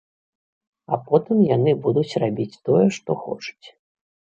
А потым яны будуць рабіць тое, што хочуць.